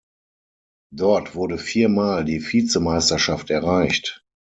Dort wurde vier Mal die Vizemeisterschaft erreicht.